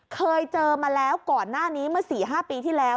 เคยเจอมาแล้วก่อนหน้านี้เมื่อ๔๕ปีที่แล้ว